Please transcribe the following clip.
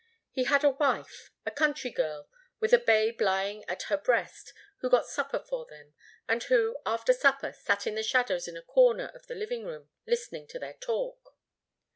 He had a wife, a country girl with a babe lying at her breast, who got supper for them, and who, after supper, sat in the shadows in a corner of the living room listening to their talk.